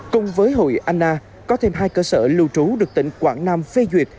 cùng với hội anna có thêm hai cơ sở lưu trú được tỉnh quảng nam phê duyệt